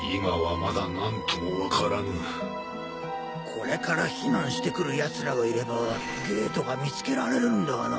これから避難してくるやつらがいればゲートが見つけられるんだがな。